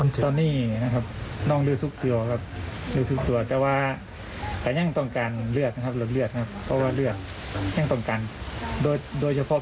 ตอนนี้น่องเลือดทุกตัวครับแต่ว่ายังต้องการเลือดนะครับ